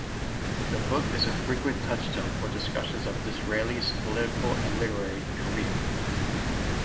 The book is a frequent touchstone for discussions of Disraeli's political and literary career.